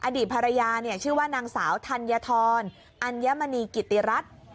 อดีตภรรยาชื่อว่านางสาวธัญธรอัญมณีกิติรัฐ